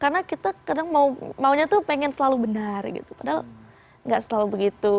karena kita kadang maunya tuh pengen selalu benar gitu padahal gak selalu begitu